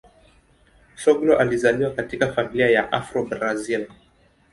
Soglo alizaliwa katika familia ya Afro-Brazil.